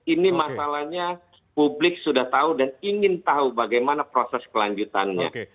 ini masalahnya publik sudah tahu dan ingin tahu bagaimana proses kelanjutannya